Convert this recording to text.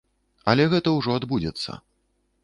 Але гэта ўжо адбудзецца.